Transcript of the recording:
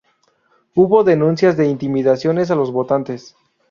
Hubo denuncias de intimidación a los votantes.